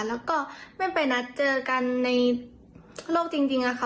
แล้วก็ไม่ไปนัดเจอกันในโลกจริงค่ะ